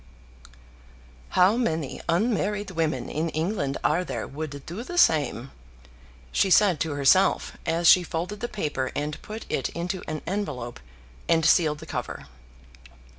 "How many unmarried women in England are there would do the same?" she said to herself, as she folded the paper, and put it into an envelope, and sealed the cover.